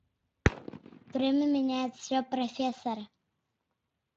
Время меняет все, профессор.